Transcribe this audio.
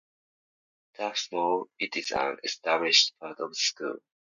Though small, it is an established part of the school.